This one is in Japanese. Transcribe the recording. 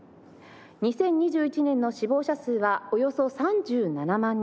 ２０２１年の死亡者数はおよそ３７万人。